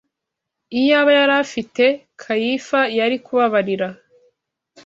Iyaba yari afite, Kayifa yari kubabarira